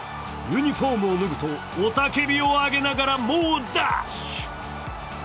ユニフォームを脱ぐと、雄たけびを上げながら猛ダッシュ。